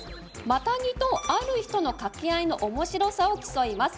マタギとある人の掛け合いの面白さを競います